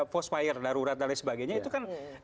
postfire darurat dan lain sebagainya itu kan